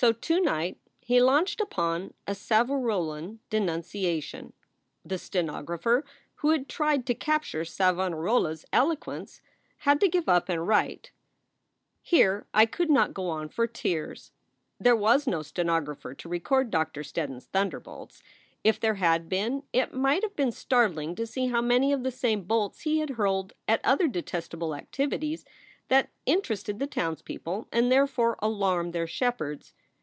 So to night he launched upon a Savonarolan denunciation. The stenographer who had tried to capture Savonarola s eloquence had to give up and write, "Here I could not go 6 SOULS FOR SALE on for tears." There was no stenographer to record Doctor Steddon s thunderbolts. If there had been, it might have been startling to see how many of the same bolts he had hurled at other detestable activities that interested the townspeople and therefore alarmed their shepherds.